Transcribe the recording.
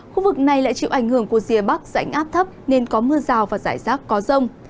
khu vực này lại chịu ảnh hưởng của rìa bắc rãnh áp thấp nên có mưa rào và rải rác có rông